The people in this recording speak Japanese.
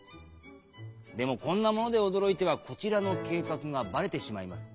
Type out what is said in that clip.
でもこんなもので驚いてはこちらの計画がバレてしまいます。